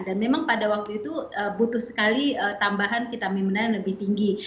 dan memang pada waktu itu butuh sekali tambahan kita membenarkan lebih tinggi